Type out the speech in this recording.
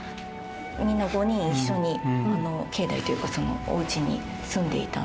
みんな５人一緒に境内というかそのおうちに住まわれていたんですね。